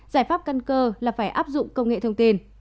giải pháp căn cơ là phải áp dụng công nghệ thông tin